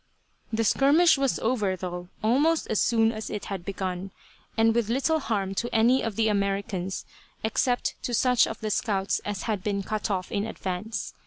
The skirmish was over, though, almost as soon as it had begun, and with little harm to any of the Americans except to such of the scouts as had been cut off in advance.